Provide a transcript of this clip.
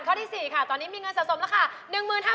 ข้อที่๔ค่ะตอนนี้มีเงินสะสมราคา